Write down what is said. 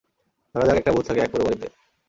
ধরা যাক, একটা ভূত থাকে এক পোড়োবাড়িতে।